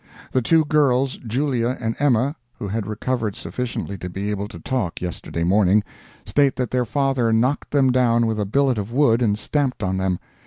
The two girls, Julia and Emma, who had recovered sufficiently to be able to talk yesterday morning, state that their father knocked them down with a billet of wood and stamped on them.